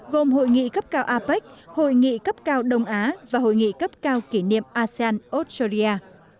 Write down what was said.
gồm hội nghị cấp cao apec hội nghị cấp cao đông á và hội nghị cấp cao kỷ niệm asean australia